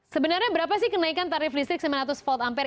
sebenarnya berapa sih kenaikan tarif listrik sembilan ratus volt ampere